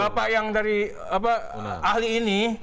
bapak yang dari ahli ini